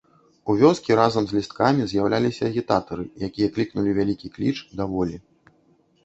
У вёскі разам з лісткамі з'яўляліся агітатары, якія клікнулі вялікі кліч да волі.